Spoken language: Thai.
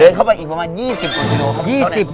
เดินเข้าไปอีกประมาณ๒๐กว่ากิโล